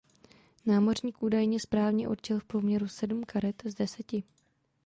Námořník údajně správně určil v průměru sedm karet z deseti.